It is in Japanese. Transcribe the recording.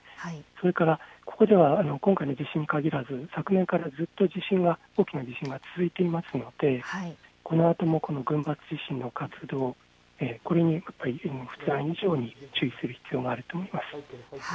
それから今回の地震に限らず昨年からずっと大きな地震が続いていますのでこのあとも群発地震の活動、これに毎日のように注意する必要があると思います。